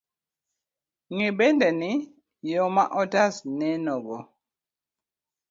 Ng'e bende ni, yo ma otas nenogo,